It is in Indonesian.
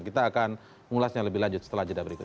kita akan mengulasnya lebih lanjut setelah jeda berikut